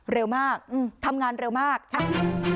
เร็วมากอืมทำงานเร็วมากอ่ะ